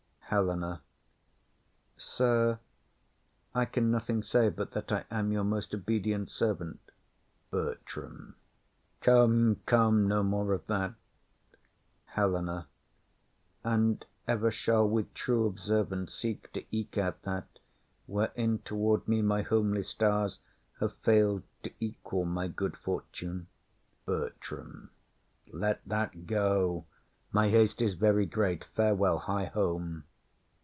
HELENA. Sir, I can nothing say But that I am your most obedient servant. BERTRAM. Come, come, no more of that. HELENA. And ever shall With true observance seek to eke out that Wherein toward me my homely stars have fail'd To equal my great fortune. BERTRAM. Let that go. My haste is very great. Farewell; hie home.